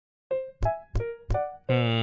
うん。